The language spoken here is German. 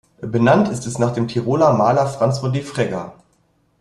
Benannt ist es nach dem Tiroler Maler Franz von Defregger.